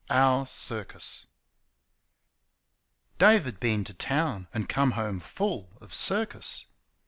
Our Circus. Dave had been to town and came home full of circus.